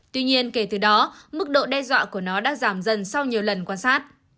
tuy nhiên kể từ đó mức độ đe dọa của nó đã giảm dần sau nhiều lần quan sát